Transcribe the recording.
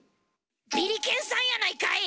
ビリケンさんやないかい！